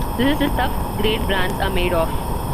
This is the stuff great brands are made of.